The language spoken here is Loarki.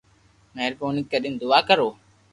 مھربوني ڪرين دعا ڪرو